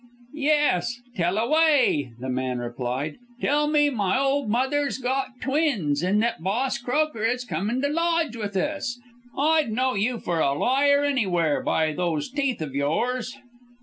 "Yes, tell away," the man replied, "tell me my old mother's got twins, and that Boss Croker is coming to lodge with us. I'd know you for a liar anywhere by those teeth of yours."